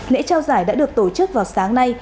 lễ trao giải đã được tổ chức vào sáng nay